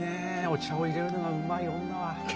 お茶をいれるのがうまい女は。